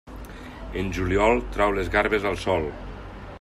En juliol, trau les garbes al sol.